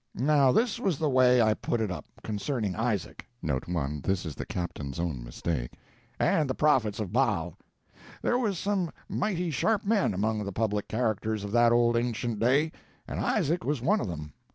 Now this was the way I put it up, concerning Isaac [This is the captain's own mistake] and the prophets of Baal. There was some mighty sharp men among the public characters of that old ancient day, and Isaac was one of them.